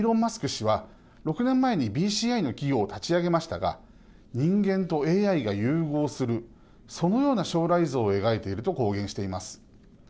氏は、６年前にＢＣＩの企業を立ち上げましたが人間とＡＩが融合するそのような将来像を描いていると公言しています。